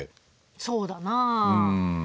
そうだなあ。